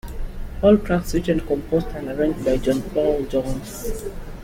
All tracks written, composed and arranged by John Paul Jones.